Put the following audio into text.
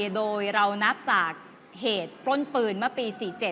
โดยเรานับจากเหตุปล้นปืนเมื่อปี๔๗